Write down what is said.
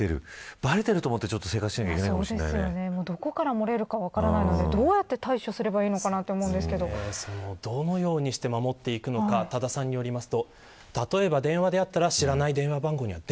ばれていると思ってどこから漏れるか分からないのでどうやって対処すればいいのかなどのようにして守っていくのか多田さんによりますと。